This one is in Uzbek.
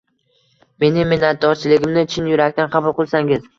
Meni minnatdorchiligimni chin yurakdan qabul qilsangiz.